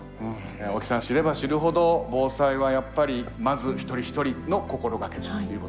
大木さん知れば知るほど防災はやっぱりまず一人一人の心掛けということですかね。